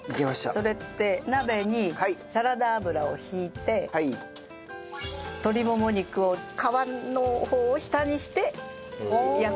それで鍋にサラダ油を引いて鶏もも肉を皮の方を下にして焼くといいと思います。